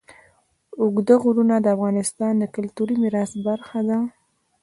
اوږده غرونه د افغانستان د کلتوري میراث برخه ده.